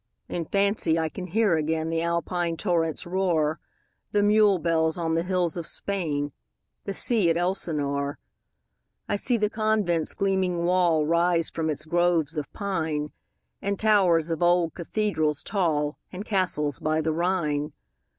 In fancy I can hear again The Alpine torrent's roar, The mule bells on the hills of Spain, 15 The sea at Elsinore. I see the convent's gleaming wall Rise from its groves of pine, And towers of old cathedrals tall, And castles by the Rhine.